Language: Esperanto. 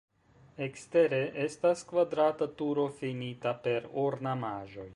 Ekstere estas kvadrata turo finita per ornamaĵoj.